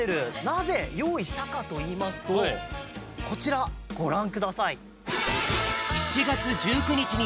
なぜよういしたかといいますとこちらごらんください。